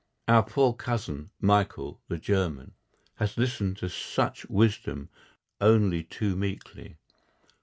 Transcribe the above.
Our poor cousin, Michael, the German, has listened to such wisdom only too meekly.